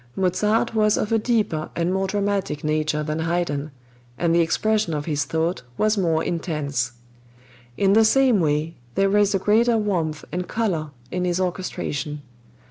Mozart was of a deeper and more dramatic nature than Haydn, and the expression of his thought was more intense. In the same way, there is a greater warmth and color in his orchestration.